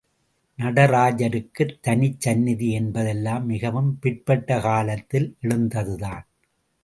நடராஜருக்குத் தனிச் சந்நிதி என்பதெல்லாம் மிகவும் பிற்பட்ட காலத்தில் எழுந்ததுதான்.